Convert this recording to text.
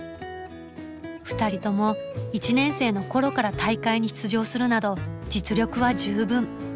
２人とも１年生の頃から大会に出場するなど実力は十分。